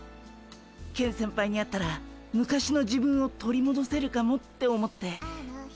ケン先輩に会ったら昔の自分を取りもどせるかもって思って。